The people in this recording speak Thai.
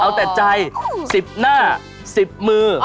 เอาแต่ใจ๑๐หน้า๑๐มือ